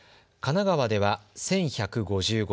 神奈川では１１５５人。